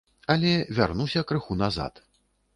Але вярнуся крыху назад.